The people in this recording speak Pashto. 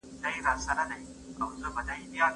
ځانګړی حیثیت درلودل مسؤلیتونه زیاتوي.